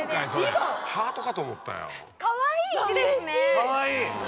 かわいい。